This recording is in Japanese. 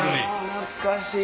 懐かしい。